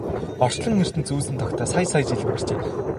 Орчлон ертөнц үүсэн тогтоод сая сая жил өнгөрчээ.